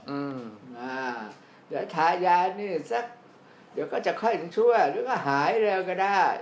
อืมอ่าเดี๋ยวทายานี่สักเดี๋ยวก็จะค่อยถึงชั่วหรือก็หายเร็วก็ได้